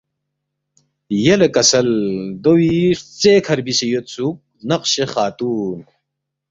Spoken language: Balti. یلے کسل دووی ہرژے کھہ ربیسے یودسُوک، ”نقشِ خاتون“